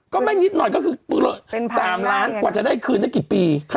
ก็แม่นิดหน่อยก็คือเป้าหมด๓ล้านกว่าจะได้คืนันกี่ปี